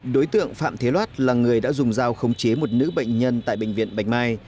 đối tượng phạm thế loát là người đã dùng dao khống chế một nữ bệnh nhân tại bệnh viện bạch mai